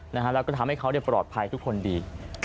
แล้วก็ทำให้เขาปลอดภัยทุกคนดี